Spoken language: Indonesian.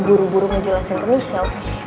buru buru ngejelasin ke michelle